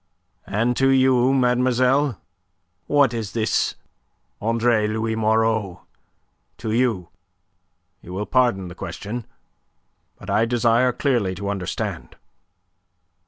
"And to you, mademoiselle? What is this Andre Louis Moreau to you? You will pardon the question. But I desire clearly to understand."